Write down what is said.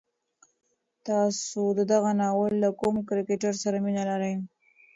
تاسو د دغه ناول له کوم کرکټر سره مینه لرئ؟